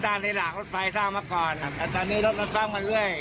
ตระหนดที่ประตูดสร้างมาก่อนแต่ตอนนี้รถมาเซอร์มมาได้